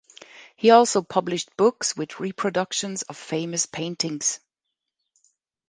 He also published books with reproductions of famous paintings.